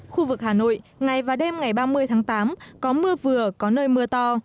khu vực hà nội ngày và đêm ngày ba mươi tháng tám có mưa vừa có nơi mưa to